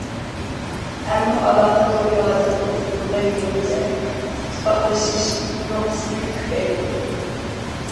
ئەمما ئالاقە تورى ھازىرقى جۇڭگودا يېڭىچە ئىتتىپاقلىشىش نۇقتىسىنى كۆپەيتتى.